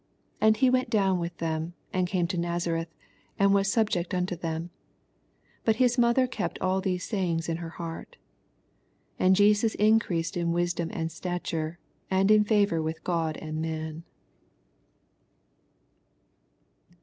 61 And he went down with them, and came to Nazareth, and was sub ject unto them ; but ms mother kept all these sayings in her heart. 62 And Jesus increased in wisdom and stature, and in &vor with God and man.